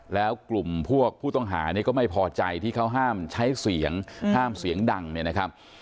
แล้วกลุ่มพวกผู้ต้องหาเนี่ยก็ไม่พอใจที่เขาห้ามใช้เสียงห้ามเสียงดังเนี่ยนะครับ